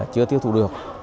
chưa tiêu thụ được